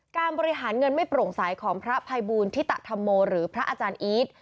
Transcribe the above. การบริหารเงินไม่โปร่งใสของพระภัยบูลธิตธรรมโมหรือพระอาจารย์อีท